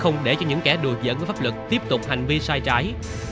không để cho những kẻ đùa giỡn với pháp lực tiếp tục hành vi sai trái